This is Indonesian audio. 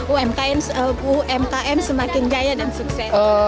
umkm semakin gaya dan sukses